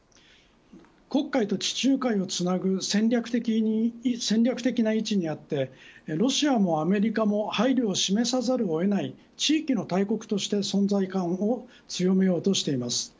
国会と地中海をつなぐ戦略的な位置にありロシアもアメリカも配慮を示さざるを得ない地域の大国として存在感を強めようとしています。